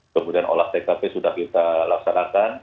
kemudian olah tkp sudah kita laksanakan